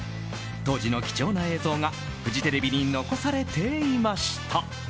当時の貴重な映像がフジテレビに残されていました。